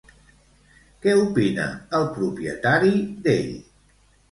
Què opina el propietari d'ell?